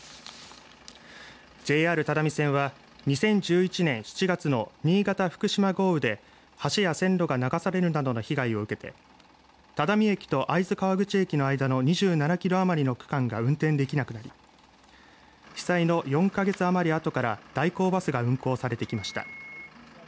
ＪＲ只見線は２０１１年７月の新潟・福島豪雨で橋や線路が流されるなどの被害を受けて只見駅と会津川口駅の間の２７キロ余りの区間が運転できなくなり被災の４か月余りあとから代行バスが運行されてきました。